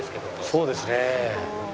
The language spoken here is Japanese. そうですね。